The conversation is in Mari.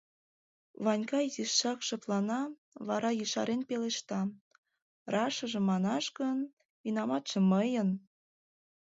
— Ванька изишак шыплана, вара ешарен пелешта: — Рашыжым манаш гын, винаматше мыйын.